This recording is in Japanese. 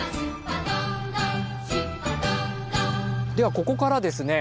ではここからですね